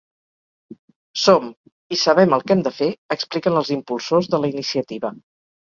Som, i sabem el que hem de fer, expliquen els impulsors de la iniciativa.